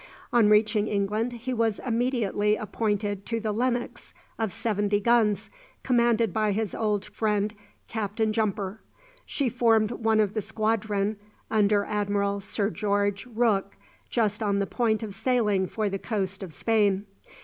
On reaching England, he was immediately appointed to the "Lennox," of seventy guns, commanded by his old friend Captain Jumper. She formed one of the squadron under Admiral Sir George Rooke just on the point of sailing for the coast of Spain.